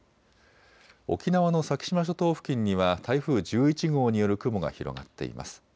沖縄の先島諸島付近には台風１１号による雲が広がっています。